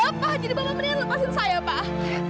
jadi bapak mendingan lepasin saya pak